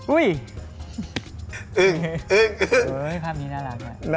อุ้ยภาพนี้น่ารักนะ